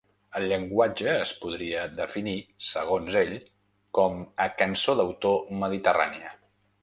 El llenguatge es podria definir, segons ell, com a cançó d’autor mediterrània.